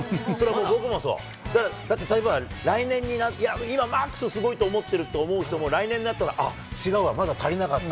僕もそう、だって来年に、今マックスすごいと思ってると思ってる人も、来年になったら、あっ、違うわ、まだ足りなかった。